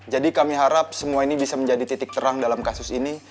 kami harap semua ini bisa menjadi titik terang dalam kasus ini